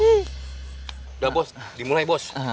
udah bos dimulai bos